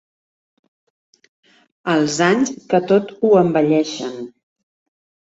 Els anys, que tot ho envelleixen.